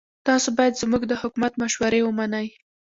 تاسو باید زموږ د حکومت مشورې ومنئ.